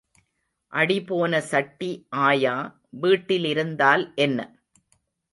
அடிபோன சட்டி ஆயா வீட்டில் இருந்தால் என்ன?